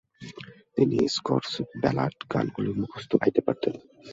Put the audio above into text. তিনি Scots ballad গানগুলি মুখস্থ গাইতে পারতেন।